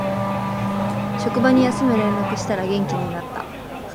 職場に休む連絡したら元気になった